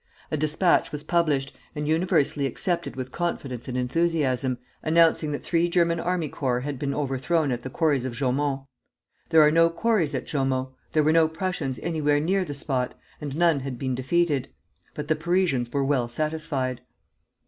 A despatch was published, and universally accepted with confidence and enthusiasm, announcing that three German army corps had been overthrown at the Quarries of Jaumont. There are no quarries at Jaumont, there were no Prussians anywhere near the spot, and none had been defeated; but the Parisians were well satisfied.